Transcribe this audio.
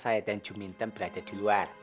saya dan juminton berada di luar